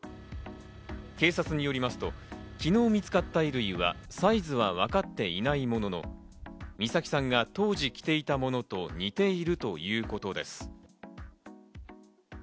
警察によりますと昨日見つかった衣類はサイズはわかっていないものの、美咲さんが当時着ていたものと似ているということです。